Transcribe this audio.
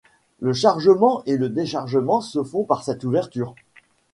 Le chargement et le déchargement se font par cette ouverture.